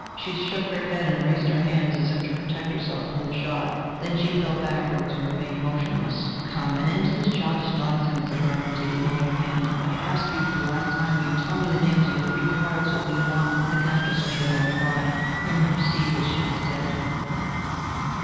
She shook her head and raised her hands as if to protect herself from the shot... then she fell backwards and remained motionless. "Come, an end to this childish nonsense!" said Hermann, taking hold of her hand. "I ask you for the last time: will you tell me the names of your three cards, or will you not?" The Countess made no reply. Hermann perceived that she was dead!